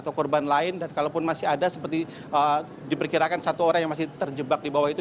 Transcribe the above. atau korban lain dan kalaupun masih ada seperti diperkirakan satu orang yang masih terjebak di bawah itu